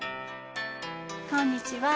こんにちは。